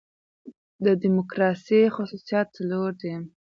د ډیموکراسۍ خصوصیات څلور دي.